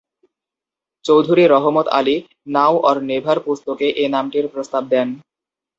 Chowdhury Rahmat Ali "now or never" পুস্তকে এ নামটির প্রস্তাব দেন।